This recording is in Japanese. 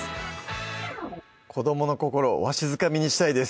子どもの心をわしづかみにしたいです